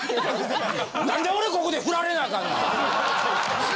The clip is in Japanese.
何で俺ここで振られなあかんねん！